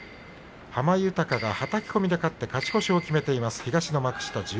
濱豊が、はたき込みで勝って勝ち越しを決めています。